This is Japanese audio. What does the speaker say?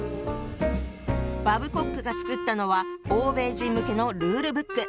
バブコックが作ったのは欧米人向けのルールブック。